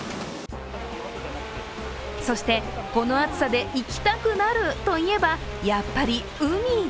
そして、この暑さで行きたくなるといえば、やっぱり海。